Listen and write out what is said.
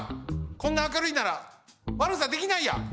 こんな明るいならわるさできないや。